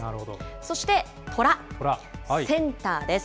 そして、トラ、センターです。